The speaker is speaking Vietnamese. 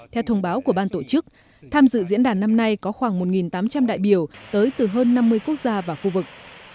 theo thông báo của ban tổ chức tham dự diễn đàn năm nay có khoảng một tám trăm linh đại biểu tới từ hơn năm mươi quốc gia và khu vực